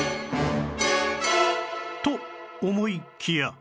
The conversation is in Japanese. と思いきや